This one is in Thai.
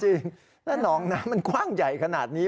จริงแล้วหนองน้ำมันกว้างใหญ่ขนาดนี้